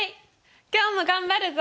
今日も頑張るぞ！